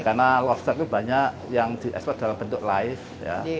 karena lobster itu banyak yang di ekspor dalam bentuk live